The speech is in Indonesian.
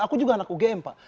aku juga anak ugm pak